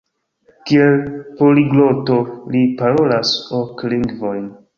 Kiel poligloto li parolas ok lingvojn.